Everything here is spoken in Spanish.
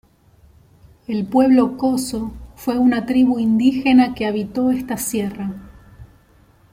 El pueblo Coso fue una tribu indígena que habitó esta sierra.